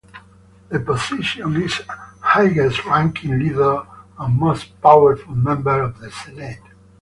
The position is the highest-ranking leader and most powerful member of the Senate.